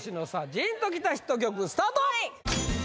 ジーンときたヒット曲スタート！